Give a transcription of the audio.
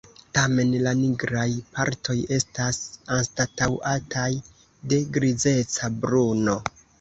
Tamen la nigraj partoj estas anstataŭataj de grizeca bruno.